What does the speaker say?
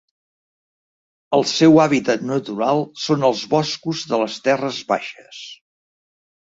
El seu hàbitat natural són els boscos de les terres baixes.